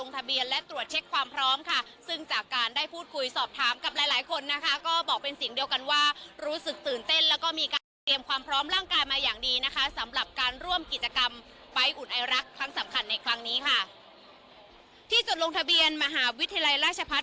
ที่จดลงทะเบียนมหาวิทยาลัยราชพัฒน